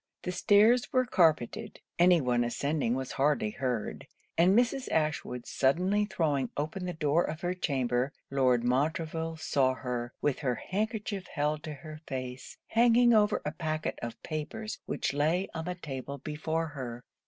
The stairs were carpetted; any one ascending was hardly heard; and Mrs. Ashwood suddenly throwing open the door of her chamber, Lord Montreville saw her, with her handkerchief held to her face, hanging over a packet of papers which lay on the table before her.